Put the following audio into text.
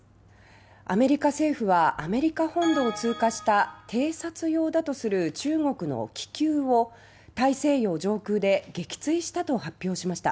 アメリカ政府はアメリカ本土を通過した偵察用だとする中国の気球を大西洋上空で撃墜したと発表しました。